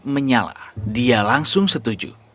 menyala dia langsung setuju